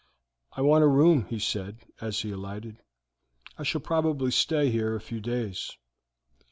"I want a room," he said, as he alighted. "I shall probably stay here a few days."